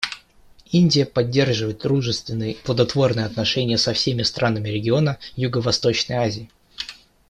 Индия поддерживает дружественные и плодотворные отношения со всеми странами региона Юго-Восточной Азии.